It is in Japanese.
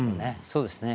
そうですね。